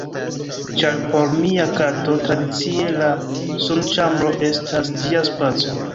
ĉar por mia kato tradicie la sunĉambro estas ĝia spaco.